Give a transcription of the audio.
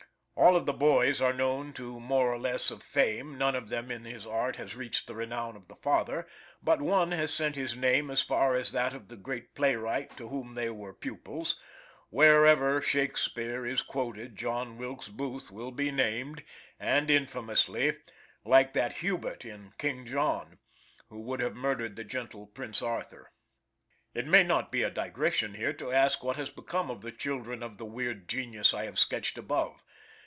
All of the boys are known to more or less of fame; none of them in his art has reached the renown of the father; but one has sent his name as far as that of the great playwright to whom they were pupils; wherever Shakspeare is quoted, John Wilkes Booth will be named, and infamously, like that Hubert in "King John," who would have murdered the gentle Prince Arthur. It may not be a digression here to ask what has become of the children of the weird genius I have sketched above.